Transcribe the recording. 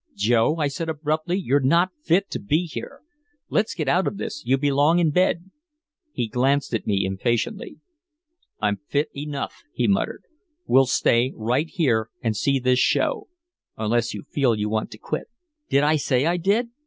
"Joe," I said abruptly, "you're not fit to be here. Let's get out of this, you belong in bed." He glanced at me impatiently. "I'm fit enough," he muttered. "We'll stay right here and see this show unless you feel you want to quit " "Did I say I did?